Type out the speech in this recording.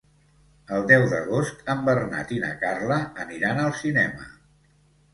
El deu d'agost en Bernat i na Carla aniran al cinema.